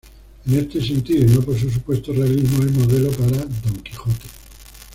En este sentido, y no por su supuesto realismo, es modelo para "Don Quijote".